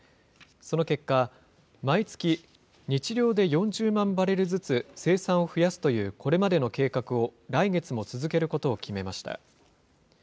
その結果、毎月、日量で４０万バレルずつ生産を増やすというこれまでの計画を、来月も続けることを決めました。